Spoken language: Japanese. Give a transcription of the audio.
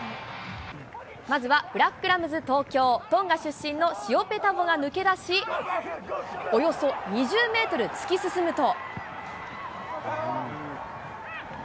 まずはブラックラムズ東京、トンガ出身のシオペ・タヴォが抜け出し、およそ２０メートル突き進むと。